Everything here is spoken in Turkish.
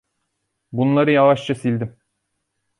Bunları yavaşça sildim.